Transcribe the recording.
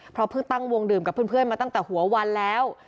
เพราะเพิ่งตั้งวงดื่มกับเพื่อนมาตั้งแต่หัววันแล้ว